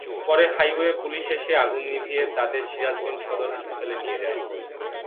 পরে highway police এসে আগুন নিভিয়ে তাঁদের সিরাজগঞ্জ সদর হাসপাতালে নিয়ে যায়।